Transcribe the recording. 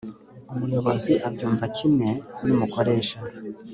umuyobozi abyumvakimwe numukoresha